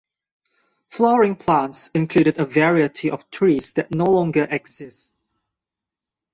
Flowering plants included a variety of trees that no longer exist.